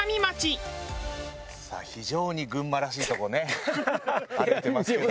さあ非常に群馬らしいとこをね歩いてますけど。